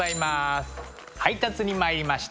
配達に参りました。